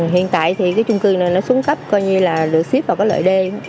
hiện tại thì cái chung cư này nó xuống cấp coi như là lửa ship vào cái lợi đê